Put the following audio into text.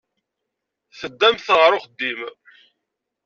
Teddamt ɣer uxeddim.